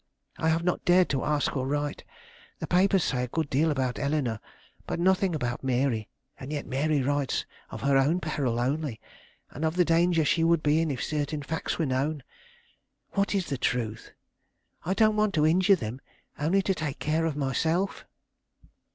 I have not dared to ask or write. The papers say a good deal about Eleanore, but nothing about Mary; and yet Mary writes of her own peril only, and of the danger she would be in if certain facts were known. What is the truth? I don't want to injure them, only to take care of myself."